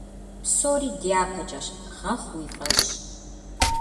Псори дяпэкӀэщ, гъэхъу уи фӀэщ.